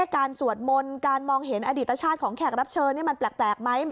สวดมนต์การมองเห็นอดีตชาติของแขกรับเชิญมันแปลกไหม